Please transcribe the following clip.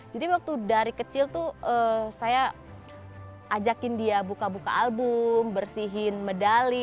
jadi waktu dari kecil tuh saya ajakin dia buka buka album bersihin medali